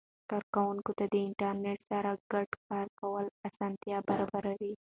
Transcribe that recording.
کاروونکو ته د انټرنیټ سره ګډ کار کول اسانتیا برابر وي.